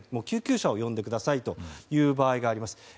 救急車を呼んでくださいという場合があります。